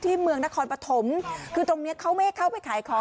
ที่เมืองนครปฐมตรงนี้เขาไม่เข้าไปขายของ